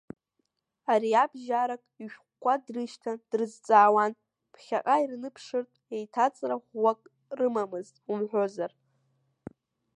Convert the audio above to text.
Ариабжьарак ишәҟәқәа дрышьҭан, дрызҵаауан, ԥхьаҟа ирныԥшыртә еиҭаҵра ӷәӷәак рымамызт умҳәозар.